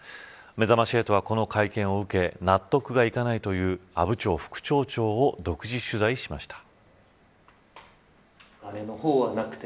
めざまし８はこの会見を受け納得がいかないという阿武町副町長を独自取材しました。